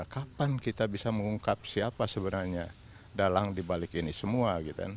kapan kita bisa mengungkap siapa sebenarnya dalang dibalik ini semua